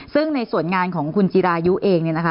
ซึ่งในส่วนงานของคุณจิรายุเอง